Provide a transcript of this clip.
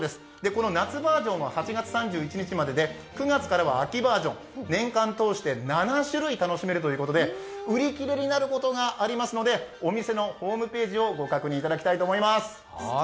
この夏バージョンは８月３１日までで９月からは秋バージョン年間通して７種類楽しめるということで売り切れになることがありますのでお店のホームページをご確認いただきたいと思います。